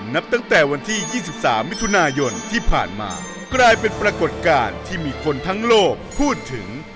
นับตั้งแต่วันที่๒๓มิถุนายนที่ผ่านมากลายเป็นปรากฏการณ์ที่มีคนทั้งโลกพูดถึง